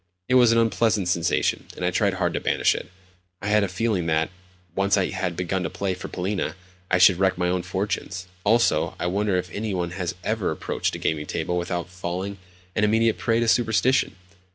It was an unpleasant sensation, and I tried hard to banish it. I had a feeling that, once I had begun to play for Polina, I should wreck my own fortunes. Also, I wonder if any one has ever approached a gaming table without falling an immediate prey to superstition?